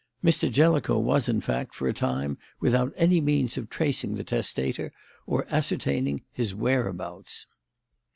Mr. Jellicoe was, in fact, for a time without any means of tracing the testator or ascertaining his whereabouts.